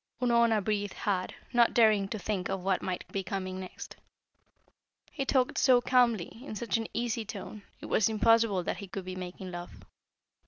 Unorna breathed hard, not daring to think of what might be coming next. He talked so calmly, in such an easy tone, it was impossible that he could be making love.